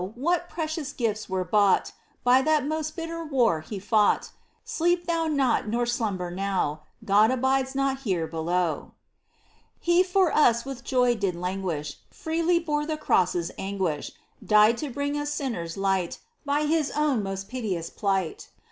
what precious gifts were bought By that most bitter war He fought ! Sleep thou not nor slumber now — God abides not here below ! He for us with joy did languish. Freely bore the cross's anguish. Died to bring us sinners light By His own most piteous plight